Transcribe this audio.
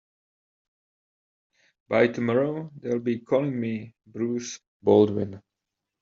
By tomorrow they'll be calling me Bruce Baldwin.